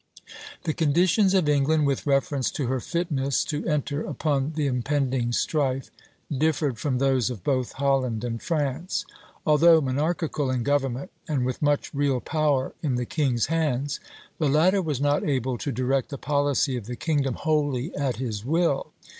The conditions of England, with reference to her fitness to enter upon the impending strife, differed from those of both Holland and France. Although monarchical in government, and with much real power in the king's hands, the latter was not able to direct the policy of the kingdom wholly at his will.